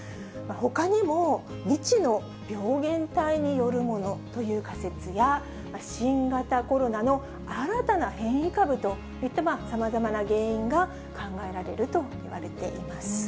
ほかにも、未知の病原体によるものという仮説や、新型コロナの新たな変異株といった、さまざまな原因が考えられるといわれています。